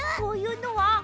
こういうのは？